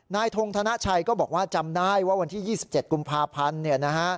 นายทงธนัชัยก็บอกว่าจำได้ว่าวันที่๒๗กภาพันธุ์